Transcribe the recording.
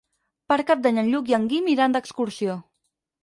Per Cap d'Any en Lluc i en Guim iran d'excursió.